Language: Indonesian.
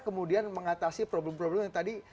kemudian mengatasi problem problem yang tadi